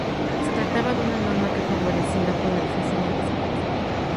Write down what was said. Se trataba de una norma que favorecía la polarización en dos grupos.